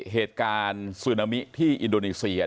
เฮษการสูรนามิในอินโดนีเซีย